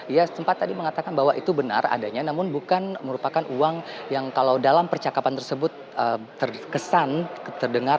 ia sempat tadi mengatakan bahwa itu benar adanya namun bukan merupakan uang yang kalau dalam percakapan tersebut terkesan terdengar